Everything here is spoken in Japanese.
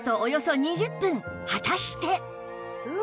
果たして